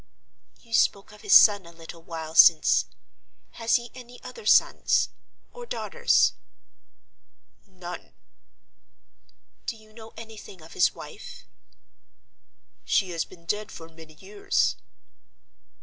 "You spoke of his son a little while since. Has he any other sons—or daughters?" "None." "Do you know anything of his wife?" "She has been dead for many years."